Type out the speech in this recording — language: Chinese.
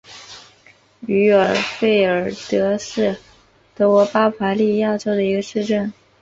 于尔费尔德是德国巴伐利亚州的一个市镇。